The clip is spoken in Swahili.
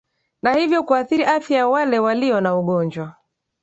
na hivyo kuathiri afya ya wale walio na ugonjwa